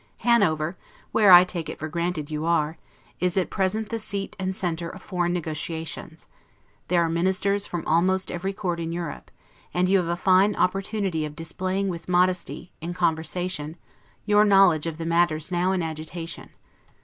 Hanover, where I take it for granted you are, is at present the seat and centre of foreign negotiations; there are ministers from almost every court in Europe; and you have a fine opportunity of displaying with modesty, in conversation, your knowledge of the matters now in agitation.